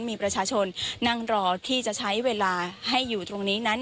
มีประชาชนนั่งรอที่จะใช้เวลาให้อยู่ตรงนี้นั้น